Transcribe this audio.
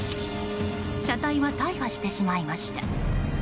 車体は大破してしまいました。